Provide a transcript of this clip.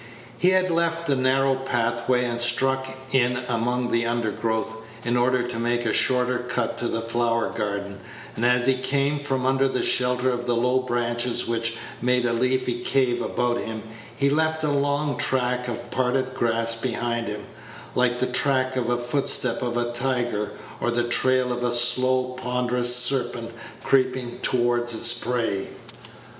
He had left the narrow pathway and struck in among the undergrowth, in order to make a shorter cut to the flower garden, and as he came from under the shelter of the low branches which made a leafy cave about him, he left a long track of parted grass behind him, like the track of the footstep of a tiger, or the trail of a slow, ponderous serpent creeping toward its prey.